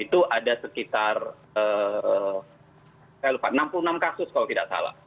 itu ada sekitar enam puluh enam kasus kalau tidak salah